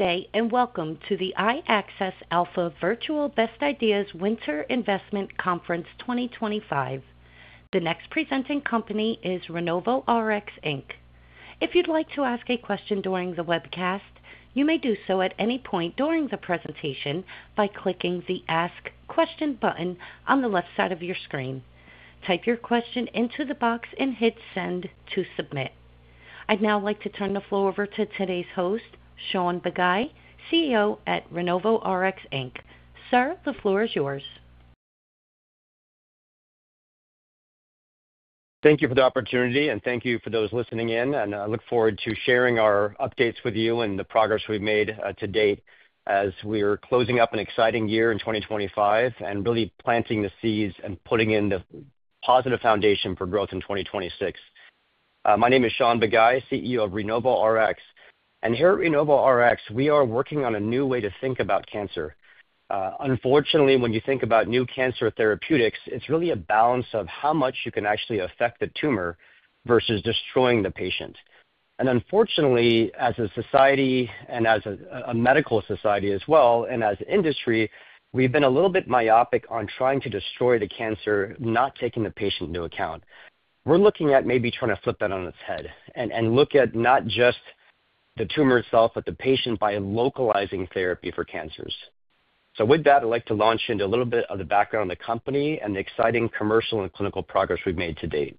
Today, and welcome to the iAccess Alpha Virtual Best Ideas Winter Investment Conference 2025. The next presenting company is RenovoRx Inc. If you'd like to ask a question during the webcast, you may do so at any point during the presentation by clicking the Ask Question button on the left side of your screen. Type your question into the box and hit Send to submit. I'd now like to turn the floor over to today's host, Shaun Bagai, CEO at RenovoRx Inc. Sir, the floor is yours. Thank you for the opportunity, and thank you for those listening in. I look forward to sharing our updates with you and the progress we've made to date as we're closing up an exciting year in 2025 and really planting the seeds and putting in the positive foundation for growth in 2026. My name is Shaun Bagai, CEO of RenovoRx, and here at RenovoRx, we are working on a new way to think about cancer. Unfortunately, when you think about new cancer therapeutics, it's really a balance of how much you can actually affect the tumor versus destroying the patient, and unfortunately, as a society and as a medical society as well, and as an industry, we've been a little bit myopic on trying to destroy the cancer, not taking the patient into account. We're looking at maybe trying to flip that on its head and look at not just the tumor itself, but the patient by localizing therapy for cancers. So with that, I'd like to launch into a little bit of the background of the company and the exciting commercial and clinical progress we've made to date.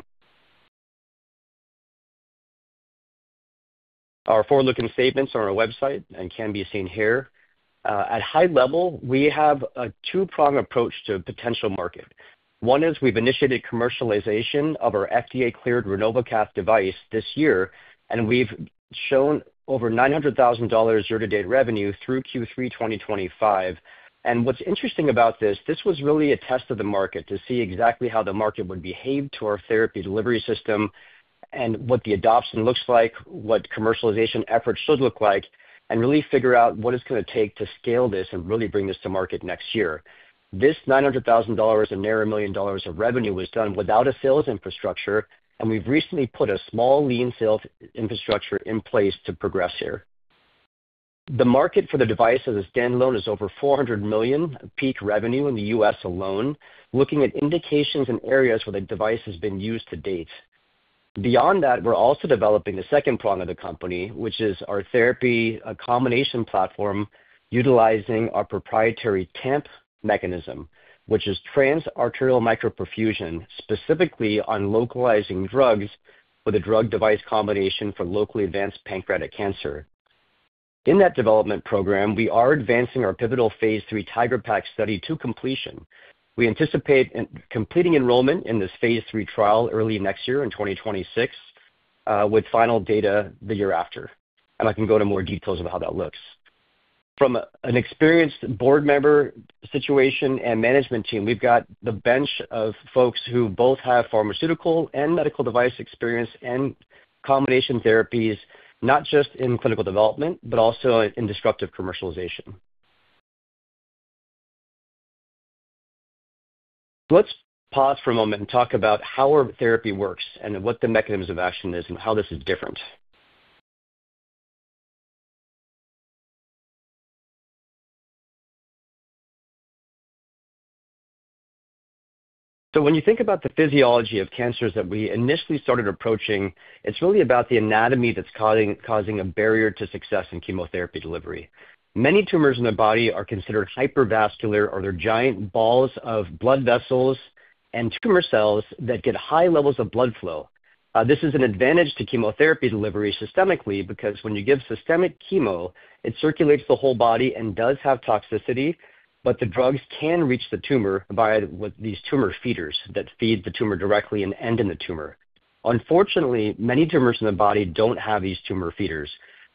Our forward-looking statements are on our website and can be seen here. At high level, we have a two-prong approach to a potential market. One is we've initiated commercialization of our FDA-cleared RenovoCath device this year, and we've shown over $900,000 year-to-date revenue through Q3 2025. What's interesting about this, this was really a test of the market to see exactly how the market would behave to our therapy delivery system and what the adoption looks like, what commercialization efforts should look like, and really figure out what it's going to take to scale this and really bring this to market next year. This $900,000 and near $1 million of revenue was done without a sales infrastructure, and we've recently put a small lean sales infrastructure in place to progress here. The market for the device as a standalone is over $400 million peak revenue in the U.S. alone, looking at indications and areas where the device has been used to date. Beyond that, we're also developing the second prong of the company, which is our therapy combination platform utilizing our proprietary TAMP mechanism, which is Trans-Arterial Micro-Perfusion, specifically on localizing drugs with a drug-device combination for locally advanced pancreatic cancer. In that development program, we are advancing our pivotal phase III TIGeR-PaC study to completion. We anticipate completing enrollment in this phase III trial early next year in 2026, with final data the year after. I can go into more details of how that looks. From an experienced board member situation and management team, we've got the bench of folks who both have pharmaceutical and medical device experience and combination therapies, not just in clinical development, but also in disruptive commercialization. Let's pause for a moment and talk about how our therapy works and what the mechanisms of action is and how this is different. So when you think about the physiology of cancers that we initially started approaching, it's really about the anatomy that's causing a barrier to success in chemotherapy delivery. Many tumors in the body are considered hypervascular, or they're giant balls of blood vessels and tumor cells that get high levels of blood flow. This is an advantage to chemotherapy delivery systemically because when you give systemic chemo, it circulates the whole body and does have toxicity, but the drugs can reach the tumor via these tumor feeders that feed the tumor directly and end in the tumor. Unfortunately, many tumors in the body don't have these tumor feeders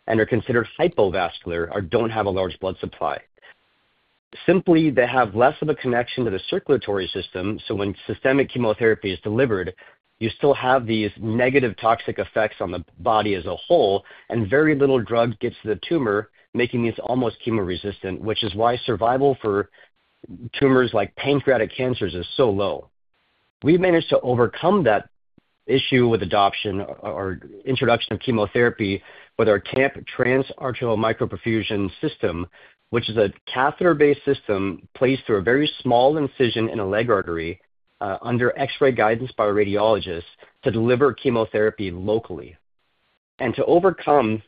and are considered hypovascular or don't have a large blood supply. Simply, they have less of a connection to the circulatory system, so when systemic chemotherapy is delivered, you still have these negative toxic effects on the body as a whole, and very little drug gets to the tumor, making these almost chemo resistant, which is why survival for tumors like pancreatic cancers is so low. We've managed to overcome that issue with adoption or introduction of chemotherapy with our TAMP Trans-Arterial Micro-Perfusion system, which is a catheter-based system placed through a very small incision in a leg artery under X-ray guidance by a radiologist to deliver chemotherapy locally. To overcome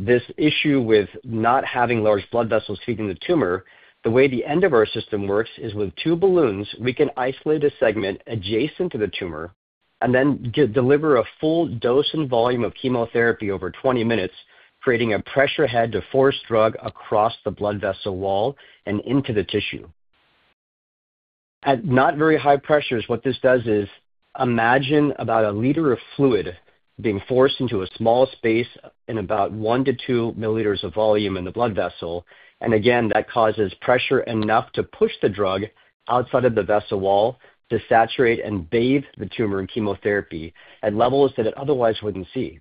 this issue with not having large blood vessels feeding the tumor, the way the end of our system works is with two balloons, we can isolate a segment adjacent to the tumor and then deliver a full dose and volume of chemotherapy over 20 minutes, creating a pressure head to force drug across the blood vessel wall and into the tissue. At not very high pressures, what this does is imagine about a liter of fluid being forced into a small space in about one to two milliliters of volume in the blood vessel. Again, that causes pressure enough to push the drug outside of the vessel wall to saturate and bathe the tumor in chemotherapy at levels that it otherwise wouldn't see.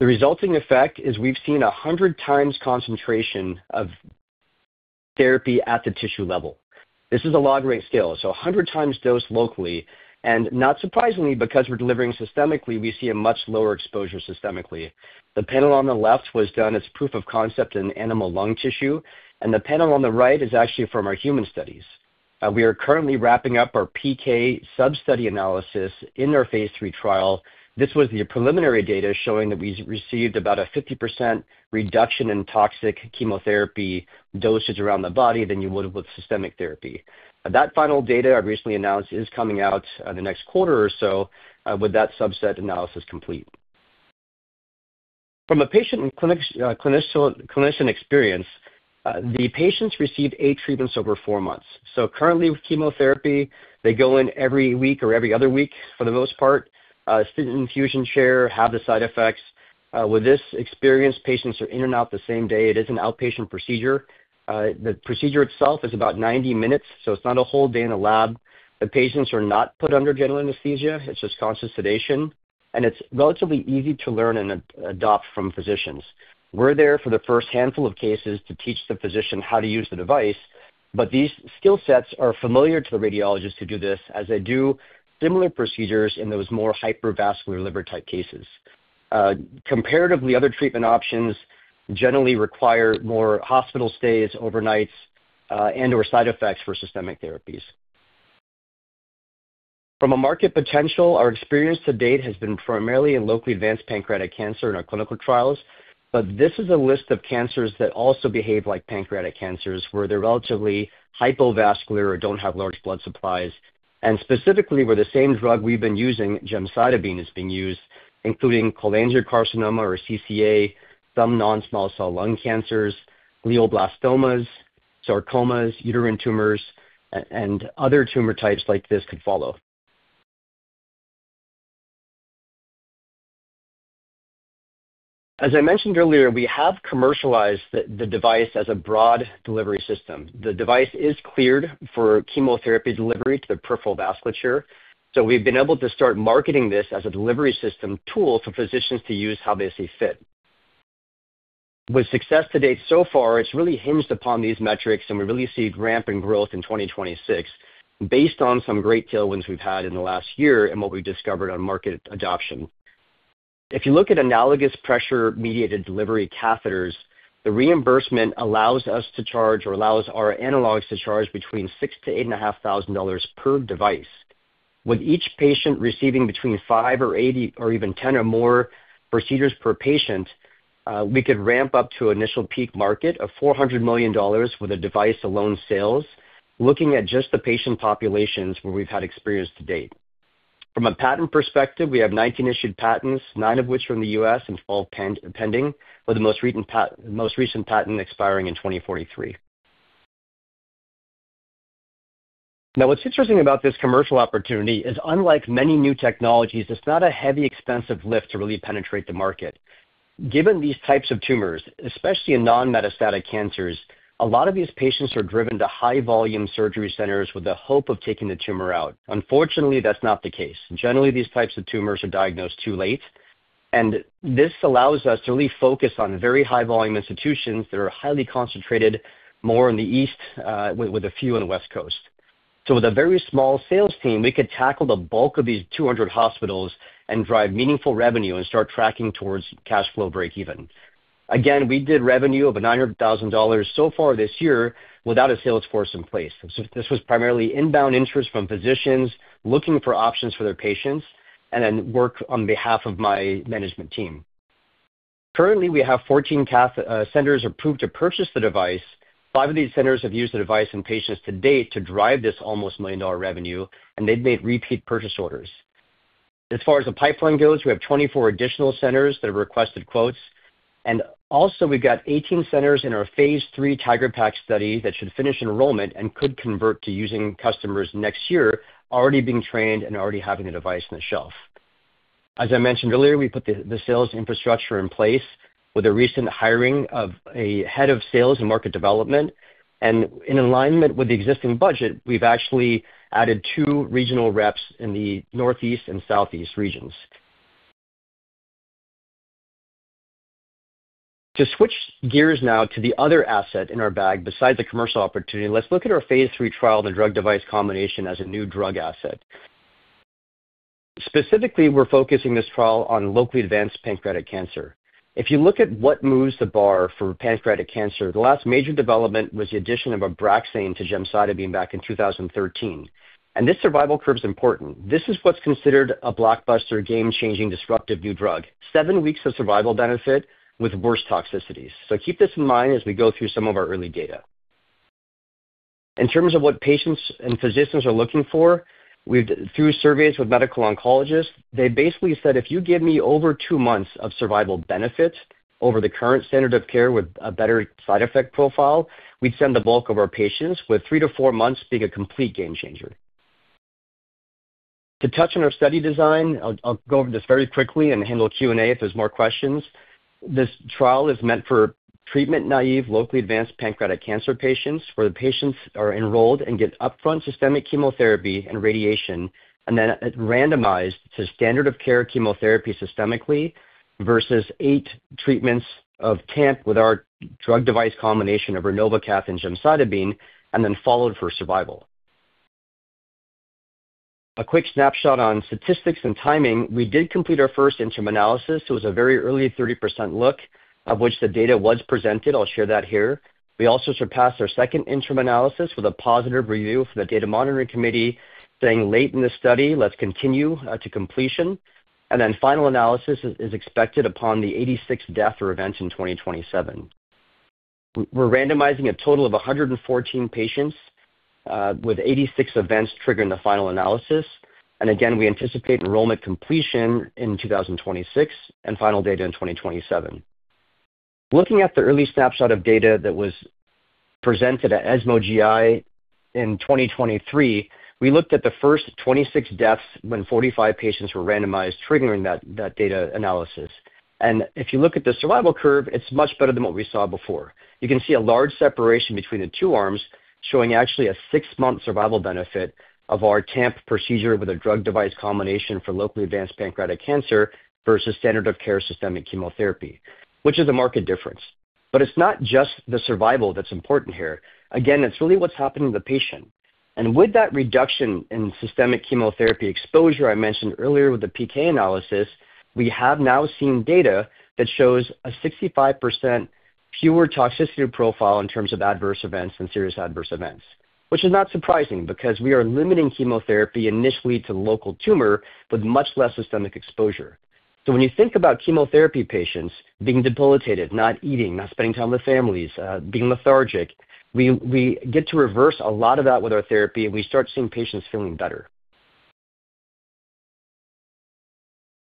The resulting effect is we've seen 100x concentration of therapy at the tissue level. This is a log-rank scale, so 100x dose locally, and not surprisingly, because we're delivering systemically, we see a much lower exposure systemically. The panel on the left was done as proof of concept in animal lung tissue, and the panel on the right is actually from our human studies. We are currently wrapping up our PK sub-study analysis in our phase III trial. This was the preliminary data showing that we received about a 50% reduction in toxic chemotherapy dosage around the body than you would with systemic therapy. That final data I recently announced is coming out in the next quarter or so with that subset analysis complete. From a patient and clinician experience, the patients receive eight treatments over four months. Currently, with chemotherapy, they go in every week or every other week for the most part, sit in infusion chair, have the side effects. With this experience, patients are in and out the same day. It is an outpatient procedure. The procedure itself is about 90 minutes, so it's not a whole day in a lab. The patients are not put under general anesthesia. It's just conscious sedation, and it's relatively easy to learn and adopt from physicians. We're there for the first handful of cases to teach the physician how to use the device, but these skill sets are familiar to the radiologists who do this as they do similar procedures in those more hypervascular liver-type cases. Comparatively, other treatment options generally require more hospital stays, overnights, and/or side effects for systemic therapies. From a market potential, our experience to date has been primarily in locally advanced pancreatic cancer in our clinical trials, but this is a list of cancers that also behave like pancreatic cancers where they're relatively hypovascular or don't have large blood supplies, and specifically, where the same drug we've been using, gemcitabine, is being used, including cholangiocarcinoma or CCA, some non-small cell lung cancers, glioblastomas, sarcomas, uterine tumors, and other tumor types like this could follow. As I mentioned earlier, we have commercialized the device as a broad delivery system. The device is cleared for chemotherapy delivery to the peripheral vasculature, so we've been able to start marketing this as a delivery system tool for physicians to use how they see fit. With success to date so far, it's really hinged upon these metrics, and we really see ramping growth in 2026 based on some great tailwinds we've had in the last year and what we've discovered on market adoption. If you look at analogous pressure-mediated delivery catheters, the reimbursement allows us to charge, or allows our analogues to charge, between $6,000-$8,500 per device. With each patient receiving between five or eight or even 10 or more procedures per patient, we could ramp up to an initial peak market of $400 million with a device-alone sales, looking at just the patient populations where we've had experience to date. From a patent perspective, we have 19 issued patents, nine of which are in the U.S. and 12 pending, with the most recent patent expiring in 2043. Now, what's interesting about this commercial opportunity is, unlike many new technologies, it's not a heavy, expensive lift to really penetrate the market. Given these types of tumors, especially in non-metastatic cancers, a lot of these patients are driven to high-volume surgery centers with the hope of taking the tumor out. Unfortunately, that's not the case. Generally, these types of tumors are diagnosed too late, and this allows us to really focus on very high-volume institutions that are highly concentrated more in the east with a few on the west coast. So with a very small sales team, we could tackle the bulk of these 200 hospitals and drive meaningful revenue and start tracking towards cash flow break-even. Again, we did revenue of $900,000 so far this year without a sales force in place. This was primarily inbound interest from physicians looking for options for their patients and then work on behalf of my management team. Currently, we have 14 centers approved to purchase the device. Five of these centers have used the device in patients to date to drive this almost $1 million revenue, and they've made repeat purchase orders. As far as the pipeline goes, we have 24 additional centers that have requested quotes. Also, we've got 18 centers in our phase III TIGeR-PaC study that should finish enrollment and could convert to using customers next year, already being trained and already having the device on the shelf. As I mentioned earlier, we put the sales infrastructure in place with a recent hiring of a head of sales and market development. In alignment with the existing budget, we've actually added two regional reps in the northeast and southeast regions. To switch gears now to the other asset in our bag besides the commercial opportunity, let's look at our phase III trial and drug-device combination as a new drug asset. Specifically, we're focusing this trial on locally advanced pancreatic cancer. If you look at what moves the bar for pancreatic cancer, the last major development was the addition of Abraxane to gemcitabine back in 2013, and this survival curve is important. This is what's considered a blockbuster, game-changing, disruptive new drug: seven weeks of survival benefit with worst toxicities, so keep this in mind as we go through some of our early data. In terms of what patients and physicians are looking for, through surveys with medical oncologists, they basically said, "If you give me over two months of survival benefit over the current standard of care with a better side effect profile, we'd send the bulk of our patients, with three to four months being a complete game changer." To touch on our study design, I'll go over this very quickly and handle Q&A if there's more questions. This trial is meant for treatment-naive locally advanced pancreatic cancer patients where the patients are enrolled and get upfront systemic chemotherapy and radiation, and then randomized to standard of care chemotherapy systemically versus eight treatments of TAMP with our drug-device combination of RenovoCath and gemcitabine, and then followed for survival. A quick snapshot on statistics and timing: we did complete our first interim analysis. It was a very early 30% look, of which the data was presented. I'll share that here. We also surpassed our second interim analysis with a positive review from the data monitoring committee, saying, "late in this study, let's continue to completion." And then final analysis is expected upon the 86th death or event in 2027. We're randomizing a total of 114 patients with 86 events triggering the final analysis. And again, we anticipate enrollment completion in 2026 and final data in 2027. Looking at the early snapshot of data that was presented at ESMO GI in 2023, we looked at the first 26 deaths when 45 patients were randomized triggering that data analysis. And if you look at the survival curve, it's much better than what we saw before. You can see a large separation between the two arms showing actually a six-month survival benefit of our TAMP procedure with a drug-device combination for locally advanced pancreatic cancer versus standard of care systemic chemotherapy, which is a marked difference, but it's not just the survival that's important here. Again, it's really what's happening to the patient, and with that reduction in systemic chemotherapy exposure I mentioned earlier with the PK analysis, we have now seen data that shows a 65% fewer toxicity profile in terms of adverse events than serious adverse events, which is not surprising because we are limiting chemotherapy initially to local tumor with much less systemic exposure, so when you think about chemotherapy patients being debilitated, not eating, not spending time with families, being lethargic, we get to reverse a lot of that with our therapy, and we start seeing patients feeling better.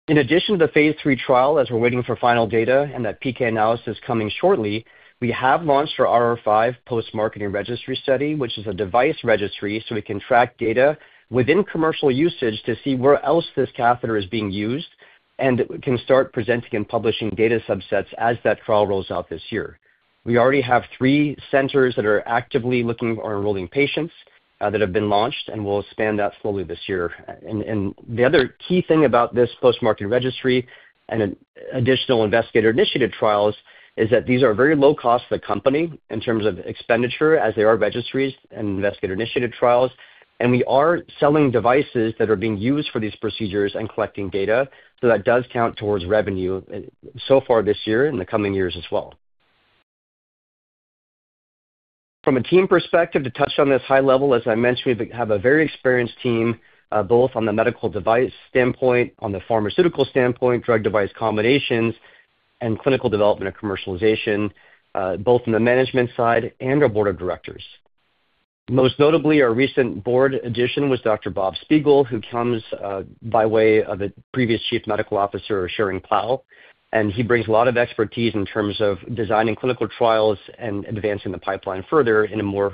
In addition to the phase III trial, as we're waiting for final data and that PK analysis coming shortly, we have launched our RR5 Post-Marketing Registry Study, which is a device registry so we can track data within commercial usage to see where else this catheter is being used and can start presenting and publishing data subsets as that trial rolls out this year. We already have three centers that are actively looking or enrolling patients, that have been launched, and we'll expand that slowly this year. And the other key thing about this post-market registry and additional investigator-initiated trials is that these are very low cost for the company in terms of expenditure as they are registries and investigator-initiated trials, and we are selling devices that are being used for these procedures and collecting data, so that does count towards revenue so far this year and the coming years as well. From a team perspective, to touch on this high level, as I mentioned, we have a very experienced team both on the medical device standpoint, on the pharmaceutical standpoint, drug-device combinations, and clinical development and commercialization, both on the management side and our board of directors. Most notably, our recent board addition was Dr. Bob Spiegel, who comes by way of a previous Chief Medical Officer, Schering-Plough, and he brings a lot of expertise in terms of designing clinical trials and advancing the pipeline further in a more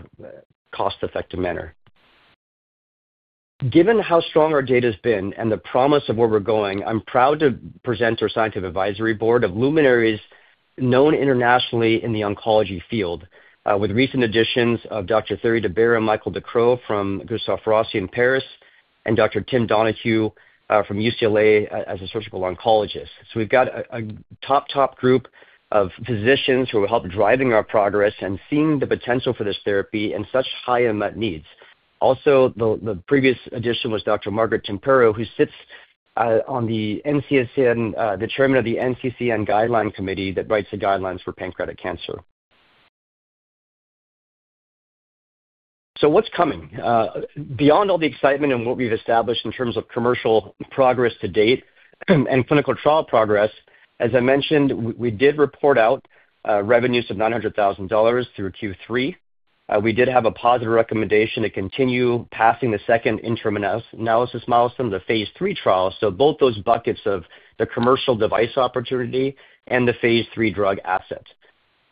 cost-effective manner. Given how strong our data has been and the promise of where we're going, I'm proud to present our scientific advisory board of luminaries known internationally in the oncology field with recent additions of Dr. Thierry de Baère and Michel Ducreux from Gustave Roussy in Paris and Dr. Timothy Donahue from UCLA as a surgical oncologist. So we've got a top, top group of physicians who are helping drive our progress and seeing the potential for this therapy and such high unmet needs. Also, the previous addition was Dr. Margaret Tempero, who sits on the NCCN, the Chairman of the NCCN Guideline Committee that writes the guidelines for pancreatic cancer. So what's coming? Beyond all the excitement and what we've established in terms of commercial progress to date and clinical trial progress, as I mentioned, we did report out revenues of $900,000 through Q3. We did have a positive recommendation to continue passing the second interim analysis milestone, the phase III trial, so both those buckets of the commercial device opportunity and the phase III drug asset.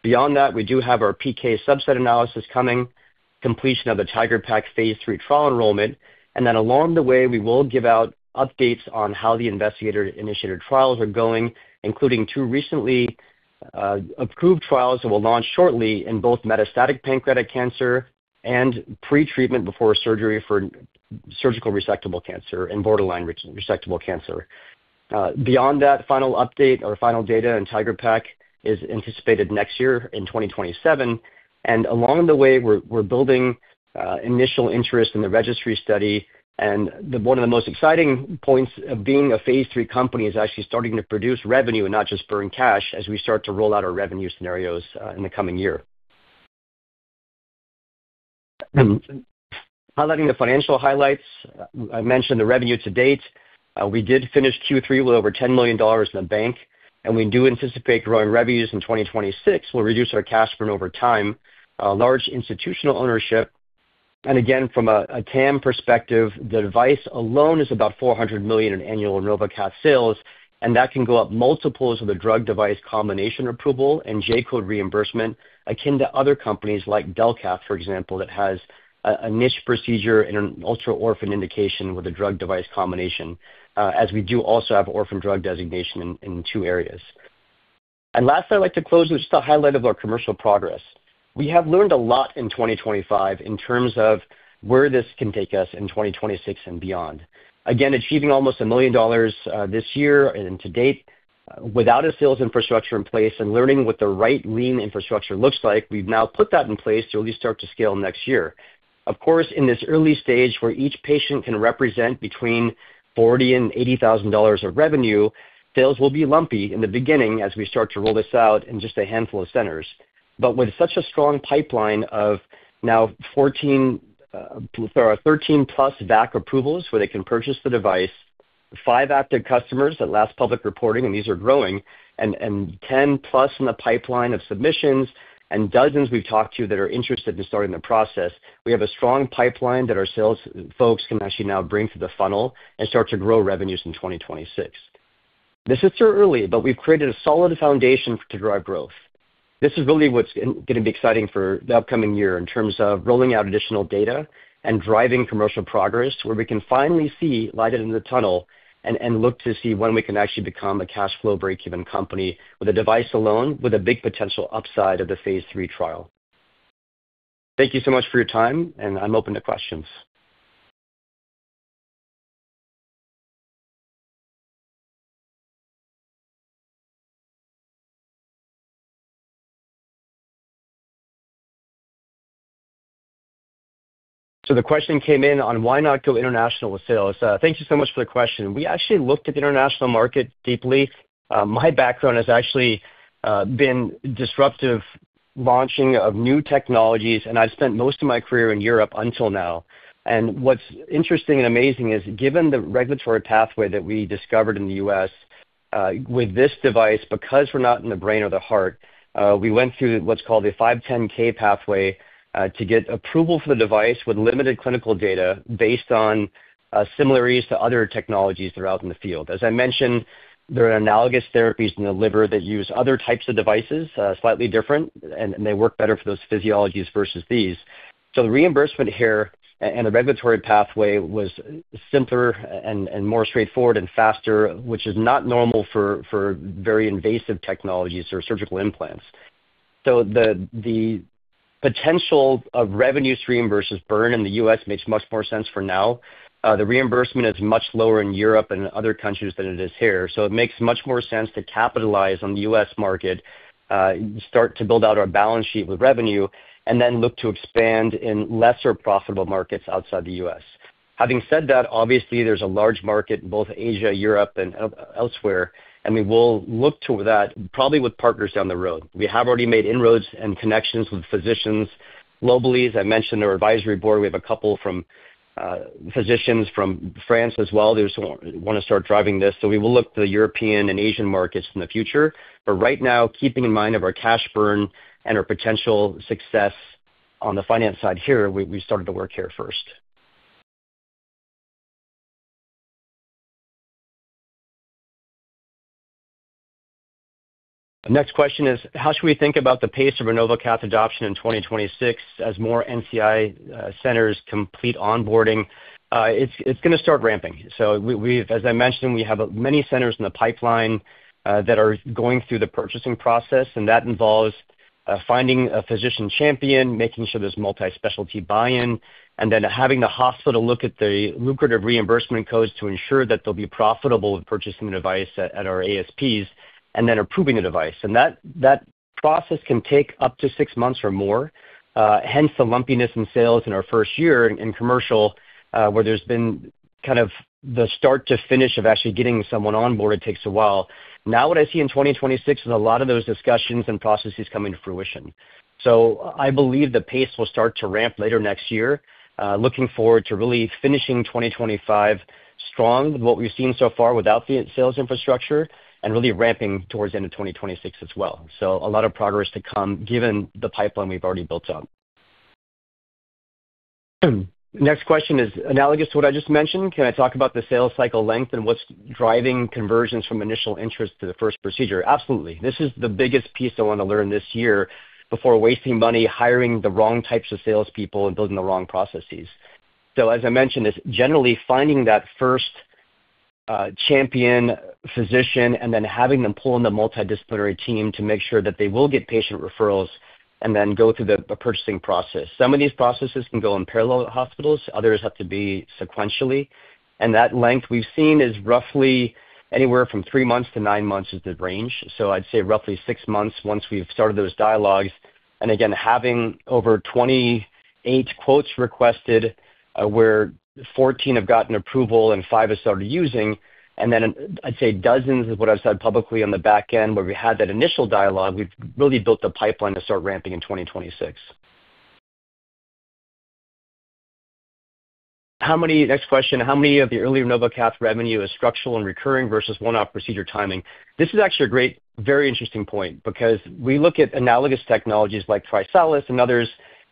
Beyond that, we do have our PK subset analysis coming, completion of the TIGeR-PaC phase III trial enrollment, and then along the way, we will give out updates on how the investigator-initiated trials are going, including two recently approved trials that will launch shortly in both metastatic pancreatic cancer and pretreatment before surgery for surgical resectable cancer and borderline resectable cancer. Beyond that, final update or final data in TIGeR-PaC is anticipated next year in 2027, and along the way, we're building initial interest in the registry study, and one of the most exciting points of being a phase III company is actually starting to produce revenue and not just burn cash as we start to roll out our revenue scenarios in the coming year. Highlighting the financial highlights, I mentioned the revenue to date. We did finish Q3 with over $10 million in the bank, and we do anticipate growing revenues in 2026. We'll reduce our cash burn over time, large institutional ownership, and again, from a TAMP perspective, the device alone is about $400 million in annual RenovoCath sales, and that can go up multiples of the drug-device combination approval and J-code reimbursement akin to other companies like Delcath, for example, that has a niche procedure and an ultra-orphan indication with a drug-device combination, as we do also have orphan drug designation in two areas, and lastly, I'd like to close with just a highlight of our commercial progress. We have learned a lot in 2025 in terms of where this can take us in 2026 and beyond. Again, achieving almost $1 million this year and to date without a sales infrastructure in place and learning what the right lean infrastructure looks like, we've now put that in place to at least start to scale next year. Of course, in this early stage where each patient can represent between $40,000 and $80,000 of revenue, sales will be lumpy in the beginning as we start to roll this out in just a handful of centers. But with such a strong pipeline of now 13+ VAC approvals where they can purchase the device, five active customers that last public reporting, and these are growing, and 10+ in the pipeline of submissions, and dozens we've talked to that are interested in starting the process, we have a strong pipeline that our sales folks can actually now bring to the funnel and start to grow revenues in 2026. This is still early, but we've created a solid foundation to drive growth. This is really what's going to be exciting for the upcoming year in terms of rolling out additional data and driving commercial progress where we can finally see light at the end of the tunnel and look to see when we can actually become a cash flow break-even company with a device alone with a big potential upside of the phase III trial. Thank you so much for your time, and I'm open to questions, so the question came in on why not go international with sales. Thank you so much for the question. We actually looked at the international market deeply. My background has actually been disruptive launching of new technologies, and I've spent most of my career in Europe until now. And what's interesting and amazing is given the regulatory pathway that we discovered in the U.S. with this device, because we're not in the brain or the heart, we went through what's called the 510(k) pathway to get approval for the device with limited clinical data based on similarities to other technologies throughout in the field. As I mentioned, there are analogous therapies in the liver that use other types of devices, slightly different, and they work better for those physiologies versus these. So the reimbursement here and the regulatory pathway was simpler and more straightforward and faster, which is not normal for very invasive technologies or surgical implants. So the potential of revenues reimbursed burn in the U.S. makes much more sense for now. The reimbursement is much lower in Europe and other countries than it is here. So it makes much more sense to capitalize on the U.S. market, start to build out our balance sheet with revenue, and then look to expand in lesser profitable markets outside the U.S. Having said that, obviously, there's a large market in both Asia, Europe, and elsewhere, and we will look to that probably with partners down the road. We have already made inroads and connections with physicians globally. As I mentioned, our advisory board, we have a couple from physicians from France as well. They want to start driving this. So we will look to the European and Asian markets in the future. But right now, keeping in mind of our cash burn and our potential success on the finance side here, we started to work here first. The next question is, how should we think about the pace of RenovoCath adoption in 2026 as more NCI centers complete onboarding? It's going to start ramping, so as I mentioned, we have many centers in the pipeline that are going through the purchasing process, and that involves finding a physician champion, making sure there's multi-specialty buy-in, and then having the hospital look at the lucrative reimbursement codes to ensure that they'll be profitable with purchasing the device at our ASPs and then approving the device, and that process can take up to six months or more, hence the lumpiness in sales in our first year in commercial where there's been kind of the start to finish of actually getting someone onboard. It takes a while. Now, what I see in 2026 is a lot of those discussions and processes coming to fruition. So I believe the pace will start to ramp later next year. Looking forward to really finishing 2025 strong with what we've seen so far without the sales infrastructure and really ramping towards the end of 2026 as well. So a lot of progress to come given the pipeline we've already built up. Next question is analogous to what I just mentioned. Can I talk about the sales cycle length and what's driving conversions from initial interest to the first procedure? Absolutely. This is the biggest piece I want to learn this year before wasting money hiring the wrong types of salespeople and building the wrong processes. So as I mentioned, it's generally finding that first champion physician and then having them pull in the multidisciplinary team to make sure that they will get patient referrals and then go through the purchasing process. Some of these processes can go in parallel with hospitals. Others have to be sequentially, and that length we've seen is roughly anywhere from three months to nine months, is the range. So I'd say roughly six months once we've started those dialogues, and again, having over 28 quotes requested where 14 have gotten approval and five have started using, and then I'd say dozens of what I've said publicly on the back end where we had that initial dialogue, we've really built the pipeline to start ramping in 2026. Next question, how many of the early RenovoCath revenue is structural and recurring versus one-off procedure timing? This is actually a great, very interesting point because we look at analogous technologies like TriSalus and others,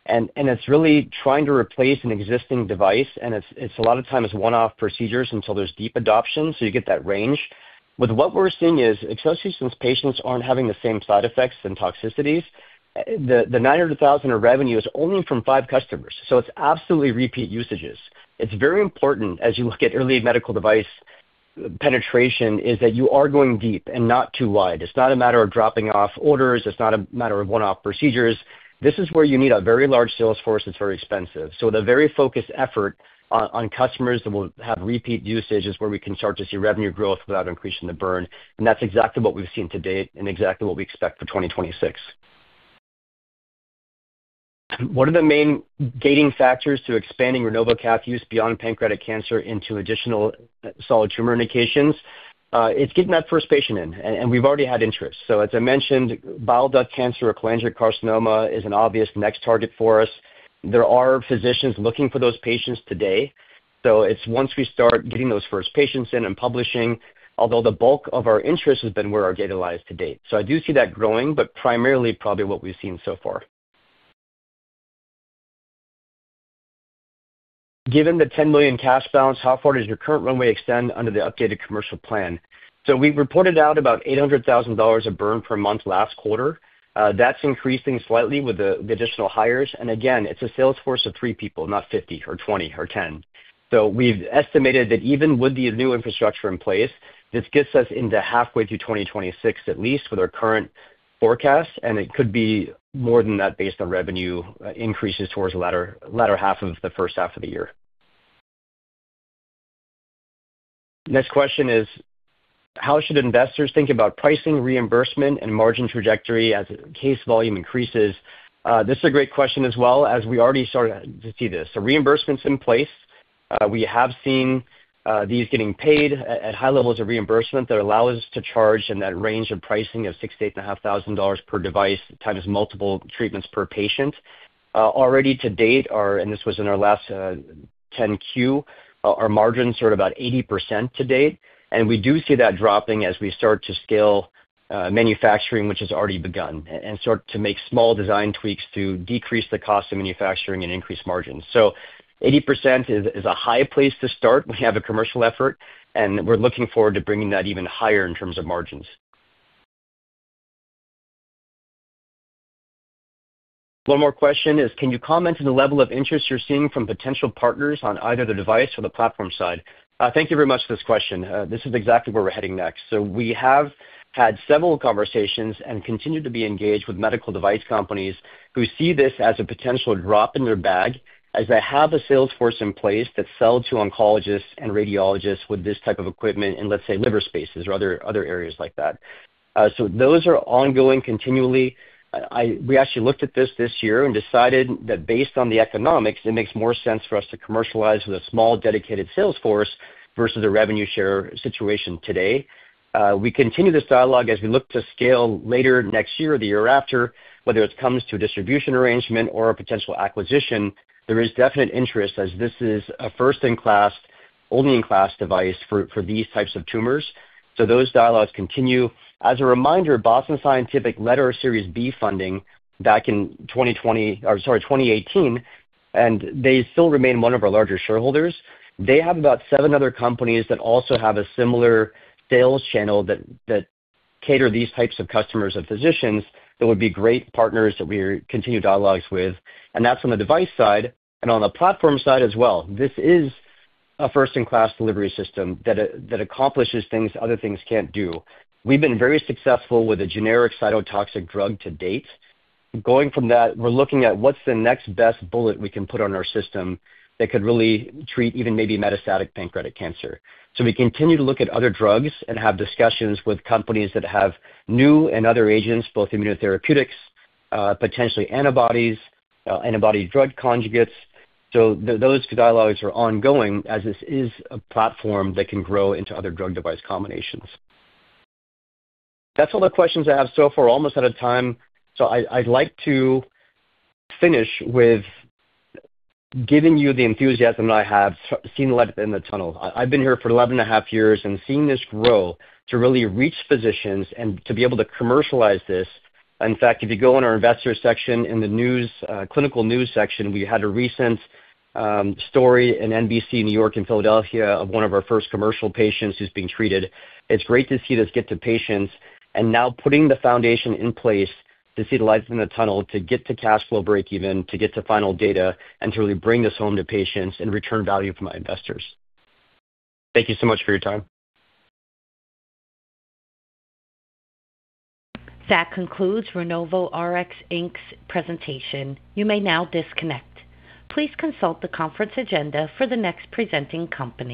and it's really trying to replace an existing device, and it's a lot of time as one-off procedures until there's deep adoption. You get that range. With what we're seeing is, especially since patients aren't having the same side effects and toxicities, the $900,000 of revenue is only from five customers. It's absolutely repeat usages. It's very important as you look at early medical device penetration is that you are going deep and not too wide. It's not a matter of dropping off orders. It's not a matter of one-off procedures. This is where you need a very large sales force that's very expensive. With a very focused effort on customers that will have repeat usage is where we can start to see revenue growth without increasing the burn. That's exactly what we've seen to date and exactly what we expect for 2026. One of the main gating factors to expanding RenovoCath use beyond pancreatic cancer into additional solid tumor indications is getting that first patient in. We've already had interest. So as I mentioned, bile duct cancer or cholangiocarcinoma is an obvious next target for us. There are physicians looking for those patients today. So it's once we start getting those first patients in and publishing, although the bulk of our interest has been where our data lies to date. So I do see that growing, but primarily probably what we've seen so far. Given the $10 million cash balance, how far does your current runway extend under the updated commercial plan? So we reported out about $800,000 of burn per month last quarter. That's increasing slightly with the additional hires. And again, it's a sales force of three people, not 50 or 20 or 10. We've estimated that even with the new infrastructure in place, this gets us into halfway through 2026 at least with our current forecast, and it could be more than that based on revenue increases towards the latter half of the first half of the year. Next question is, how should investors think about pricing, reimbursement, and margin trajectory as case volume increases? This is a great question as well, as we already started to see this. Reimbursement's in place. We have seen these getting paid at high levels of reimbursement that allow us to charge in that range of pricing of $6,000-$8,500 per device times multiple treatments per patient. Already, to date, and this was in our last 10-Q, our margins are at about 80% to date. We do see that dropping as we start to scale manufacturing, which has already begun, and start to make small design tweaks to decrease the cost of manufacturing and increase margins. So 80% is a high place to start when you have a commercial effort, and we're looking forward to bringing that even higher in terms of margins. One more question is, can you comment on the level of interest you're seeing from potential partners on either the device or the platform side? Thank you very much for this question. This is exactly where we're heading next. So we have had several conversations and continue to be engaged with medical device companies who see this as a potential drop in their bag as they have a sales force in place that sells to oncologists and radiologists with this type of equipment in, let's say, liver spaces or other areas like that. So those are ongoing continually. We actually looked at this this year and decided that based on the economics, it makes more sense for us to commercialize with a small dedicated sales force versus a revenue share situation today. We continue this dialogue as we look to scale later next year or the year after, whether it comes to a distribution arrangement or a potential acquisition. There is definite interest as this is a first-in-class, only-in-class device for these types of tumors. So those dialogues continue. As a reminder, Boston Scientific led our Series B funding back in 2018, and they still remain one of our larger shareholders. They have about seven other companies that also have a similar sales channel that cater these types of customers of physicians that would be great partners that we continue dialogues with. And that's on the device side and on the platform side as well. This is a first-in-class delivery system that accomplishes things other things can't do. We've been very successful with a generic cytotoxic drug to date. Going from that, we're looking at what's the next best bullet we can put on our system that could really treat even maybe metastatic pancreatic cancer. So we continue to look at other drugs and have discussions with companies that have new and other agents, both immunotherapeutics, potentially antibodies, antibody drug conjugates. So those dialogues are ongoing as this is a platform that can grow into other drug device combinations. That's all the questions I have so far. Almost out of time. So I'd like to finish with giving you the enthusiasm that I have seen light at the end of the tunnel. I've been here for 11 and a half years and seeing this grow to really reach physicians and to be able to commercialize this. In fact, if you go on our investor section in the clinical news section, we had a recent story in NBC, New York, and Philadelphia of one of our first commercial patients who's being treated. It's great to see this get to patients and now putting the foundation in place to see the lights in the tunnel to get to cash flow break-even, to get to final data, and to really bring this home to patients and return value for my investors. Thank you so much for your time. That concludes RenovoRx, Inc's presentation. You may now disconnect. Please consult the conference agenda for the next presenting company.